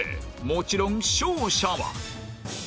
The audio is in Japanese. もちろん勝者は